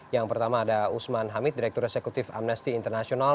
yang pertama ada usman hamid direktur eksekutif amnesty international